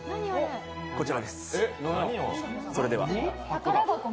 こちらです。